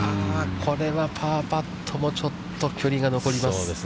これはパーパットもちょっと距離が残ります。